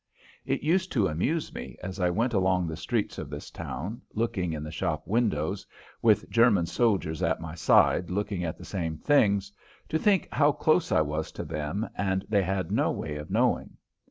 It used to amuse me, as I went along the streets of this town, looking in the shop windows, with German soldiers at my side looking at the same things, to think how close I was to them and they had no way of knowing.